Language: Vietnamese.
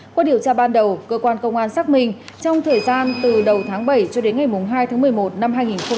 qua điều tra ban đầu cơ quan công an xác minh trong thời gian từ đầu tháng bảy cho đến ngày hai tháng một mươi một năm hai nghìn hai mươi ba